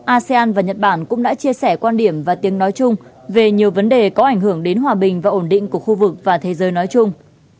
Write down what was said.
asean và nhật bản cũng đã chia sẻ quan điểm và tiếng nói chung về nhiều vấn đề có ảnh hưởng đến hòa bình và ổn định của khu vực và thế giới nói chung